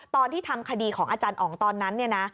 ตอนที่ทำคดีของอาจารย์อ๋องตอนนั้น